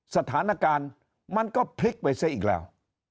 สถานการณ์มันก็พลิกไปซะอีกแล้ว